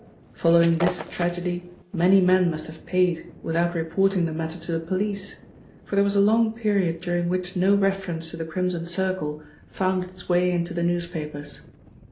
Following this tragedy many men must have paid without reporting the matter to the police, for there was a long period during which no reference to the Crimson Circle found its way into the newspapers.